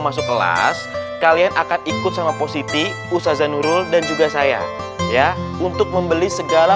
masuk kelas kalian akan ikut sama positif usaza nurul dan juga saya ya untuk membeli segala